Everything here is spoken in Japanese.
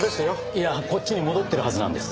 いやこっちに戻ってるはずなんです。